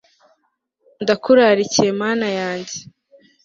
ndakurarikiye mana yanjye